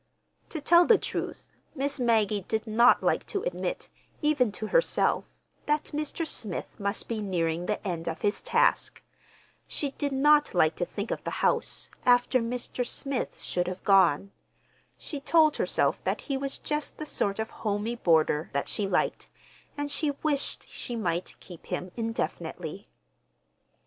To tell the truth, Miss Maggie did not like to admit, even to herself, that Mr. Smith must be nearing the end of his task. She did not like to think of the house—after Mr. Smith should have gone. She told herself that he was just the sort of homey boarder that she liked, and she wished she might keep him indefinitely.